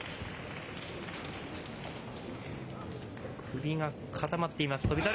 首が固まっています、翔猿。